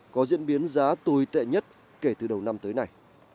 có diễn biến giá tồi tệ nhất kể từ đầu năm tới nay